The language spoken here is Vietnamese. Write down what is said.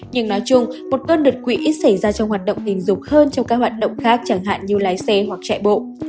nhưng nói chung một cơn đợt quỹ ít xảy ra trong hoạt động tình dục hơn trong các hoạt động khác chẳng hạn như lái xe hoặc chạy bộ